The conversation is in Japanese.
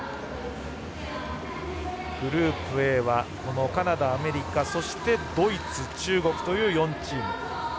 グループＡはこのカナダ、アメリカそして、ドイツ、中国という４チーム。